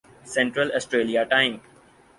central Australia time